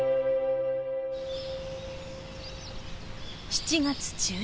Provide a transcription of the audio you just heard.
７月中旬。